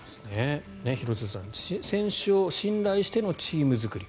廣津留さん選手を信頼してのチーム作り。